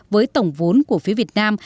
với tổng vốn của phía việt nam